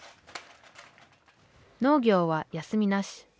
農業は休みなし。